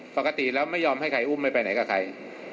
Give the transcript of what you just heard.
ปกติแล้วไม่ยอมให้ใครอุ้มไม่ไปไหนกับใคร